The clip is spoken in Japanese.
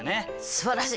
すばらしい！